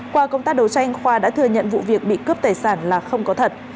qua công tác đấu tranh khoa đã thừa nhận vụ việc bị cướp tài sản là không có thật